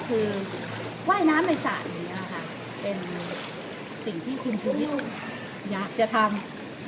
คือว่ายน้ำอิสระถึงนะคะเป็นสิ่งที่คุณอยากจะทำ